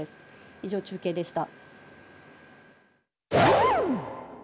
以上、中継でした。